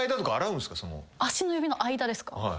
足の指の間ですか？